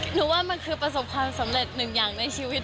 ว่ามันคือประสบความสำเร็จหนึ่งอย่างในชีวิต